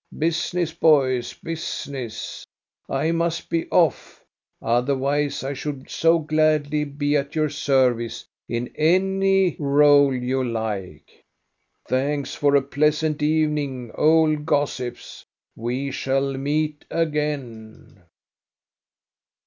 Business, boys, business. I must be off, otherwise I should so gladly be at your service in any r61e you like. Thanks for a pleasant evening, old gossips. We shall meet again."